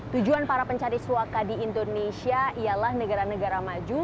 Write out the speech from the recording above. tujuan para pencari suaka di indonesia ialah negara negara maju